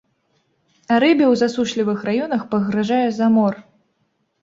А рыбе ў засушлівых раёнах пагражае замор.